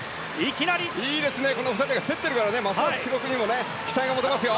いいですね、２人が競っているから、ますます記録にも期待が持てますよ。